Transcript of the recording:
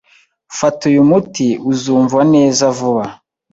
Fata uyu muti. Uzumva neza vuba